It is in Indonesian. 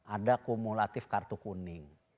ada kumulatif kartu kuning